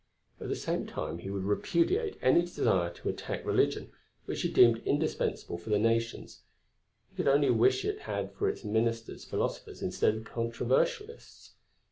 At the same time he would repudiate any desire to attack religion, which he deemed indispensable for the nations; he could only wish it had for its ministers philosophers instead of controversialists.